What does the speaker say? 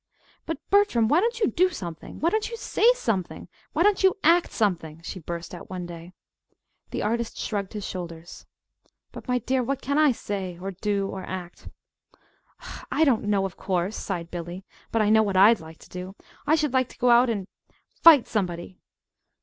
"But, Bertram, why don't you do something? Why don't you say something? Why don't you act something?" she burst out one day. The artist shrugged his shoulders. "But, my dear, what can I say, or do, or act?" he asked. "I don't know, of course," sighed Billy. "But I know what I'd like to do. I should like to go out and fight somebody!"